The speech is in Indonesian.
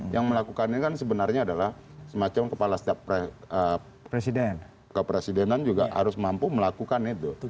yang melakukannya kan sebenarnya adalah semacam kepala staf presidenan juga harus mampu melakukan itu